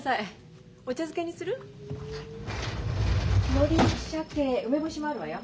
のりシャケ梅干しもあるわよ。